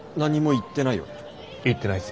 言ってない。